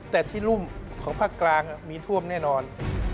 แต่ที่รุ่มของภาคกลางมีท่วมแน่นอน